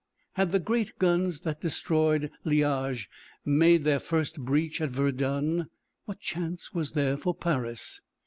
Had the great guns that destroyed Liége made their first breach at Verdun, what chance was there for Paris?